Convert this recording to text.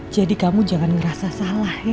jadi kamu jangan ngerasa salah ya